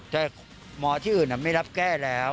แต่หมอที่อื่นไม่รับแก้แล้ว